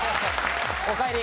おかえり。